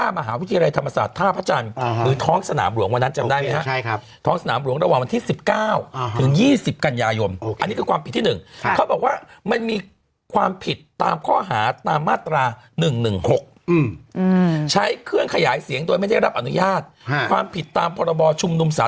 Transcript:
อะไรธรรมศาสตร์ท่าพระจันทร์หรือท้องสนามหลวงวันนั้นจำได้ไหมครับใช่ครับท้องสนามหลวงระหว่างวันที่สิบเก้าถึงยี่สิบกัญญายมโอเคอันนี้คือความผิดที่หนึ่งครับเขาบอกว่ามันมีความผิดตามข้อหาตามมาตราหนึ่งหนึ่งหกอืมอืมใช้เครื่องขยายเสียงโดยไม่ได้รับอนุญาตค่ะความผิดตามพรบชุมนุมส